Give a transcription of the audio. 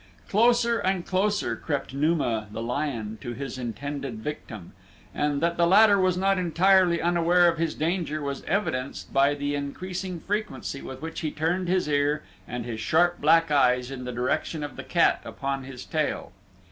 Closer and closer crept Numa, the lion, to his intended victim, and that the latter was not entirely unaware of his danger was evidenced by the increasing frequency with which he turned his ear and his sharp black eyes in the direction of the cat upon his trail.